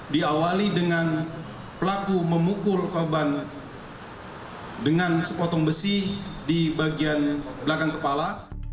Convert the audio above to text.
diawali dengan pelaku memukul korban dengan sepotong besi di bagian belakang kepala